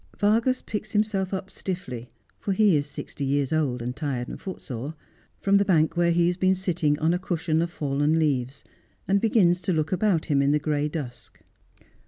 Vargas picks himself up stiffly, for he is sixty years old, and tired and footsore, from the bank where he ha,s been sitting on a cushion of fallen leaves, and begins to look about him in the gray dusk.